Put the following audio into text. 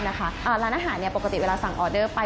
ร้านอาหารปกติเวลาสั่งออเดอร์ไป